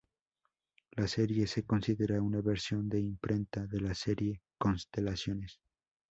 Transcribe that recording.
La serie se considera una versión de imprenta de la serie "Constelaciones.